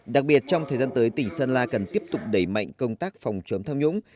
đặc biệt trong thời gian tới tỉnh sơn la cần tiếp tục đẩy mạnh công tác phòng chống tham nhũng